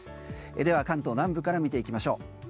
では、関東南部から見ていきましょう。